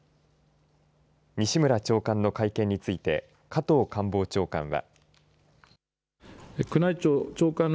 西村長官の会見について加藤官房長官は。